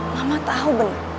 mama tau bener